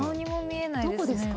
どこですか。